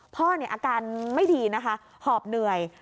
พ่ออาการไม่ดีนะคะหอบเหนื่อย